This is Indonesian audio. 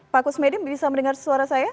pak kusmedim bisa mendengar suara saya